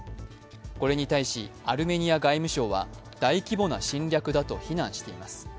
これに対し、アルメニア外務省は大規模な侵略だと非難しています。